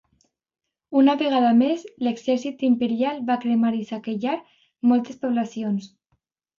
Una vegada més l'exèrcit imperial va cremar i saquejar moltes poblacions.